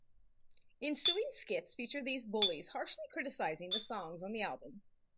Ensuing skits feature these bullies harshly criticizing the songs on the album.